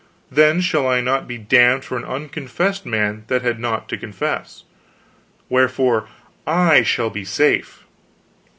Then shall I not be damned for an unconfessed man that had naught to confess wherefore, I shall be safe."